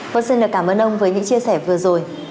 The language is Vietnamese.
vâng xin cảm ơn ông với những chia sẻ vừa rồi